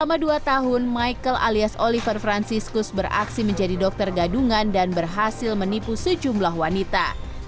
selama dua tahun michael alias oliver franciscus beraksi menjadi dokter gadungan dan berhasil menipu sejumlah wanita